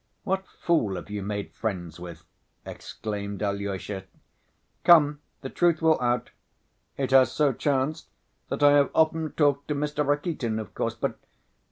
What fool have you made friends with?" exclaimed Alyosha. "Come, the truth will out! It has so chanced that I have often talked to Mr. Rakitin, of course, but